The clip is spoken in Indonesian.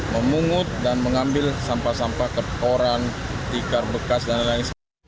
memungut dan mengambil sampah sampah ke koran tikar bekas dan lain lain